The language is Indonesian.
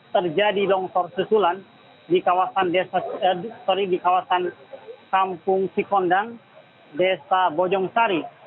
terjadi longsor susulan di kawasan kampung sikondang desa bojongsari